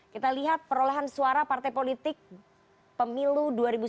kita lihat perolehan suara partai politik pemilu dua ribu sembilan belas